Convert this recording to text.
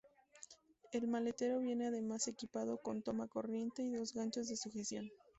El maletero viene además equipado con toma corriente y dos ganchos de sujeción.